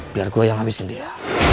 biar gue yang habisin dia